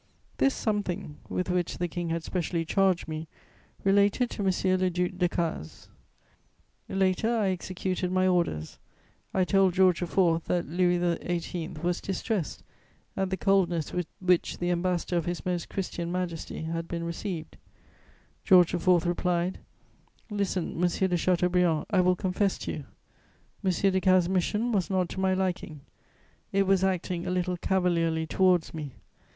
This "something" with which the King had specially charged me related to M. le Duc Decazes. Later, I executed my orders: I told George IV. that Louis XVIII. was distressed at the coldness with which the Ambassador of His Most Christian Majesty had been received. George IV. replied: "Listen, Monsieur de Chateaubriand, I will confess to you: M. Decazes' mission was not to my liking; it was acting a little cavalierly towards me.